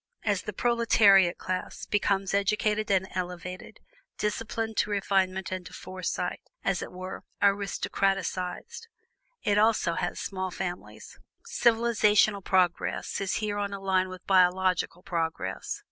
As the proletariat class becomes educated and elevated, disciplined to refinement and to foresight as it were aristocratised it also has small families. Civilizational progress is here on a line with biological progress.